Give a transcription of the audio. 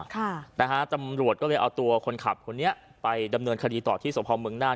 แต่ธรรมรวชก็เลยเอาตัวคนขับคนนี้ไปดำเนินคดีต่อที่สะพาวเมืองด้าน